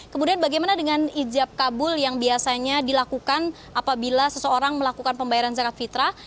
kemudian bagaimana dengan ijab kabul yang biasanya dilakukan apabila seseorang melakukan pembayaran zakat fitrah